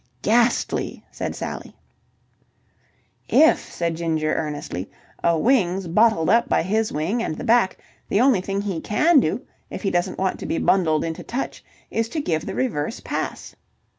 "Ghastly!" said Sally. "If," said Ginger earnestly, "a wing's bottled up by his wing and the back, the only thing he can do, if he doesn't want to be bundled into touch, is to give the reverse pass."